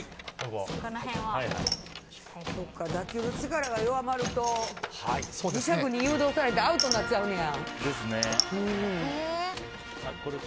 打球の力が弱まると磁石に誘導されてアウトになっちゃうんや。